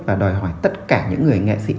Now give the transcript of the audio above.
và đòi hỏi tất cả những người nghệ sĩ